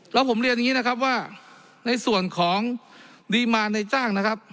แล้วผมเรียนอย่างนี้นะครับว่าในส่วนของดีมารในจ้างนะครับ